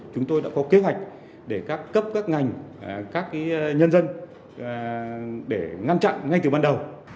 chúng tôi đã có kế hoạch để các cấp các ngành các nhân dân để ngăn chặn ngay từ ban đầu